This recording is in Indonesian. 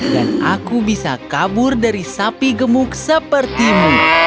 dan aku bisa kabur dari sapi gemuk sepertimu